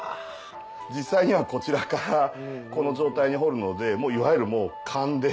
実際にはこちらからこの状態に彫るのでいわゆる勘で。